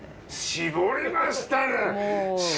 絞りましたね！